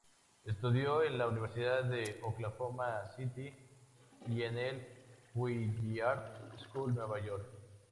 Estudió en la "Universidad de Oklahoma City" y en Juilliard School Nueva York.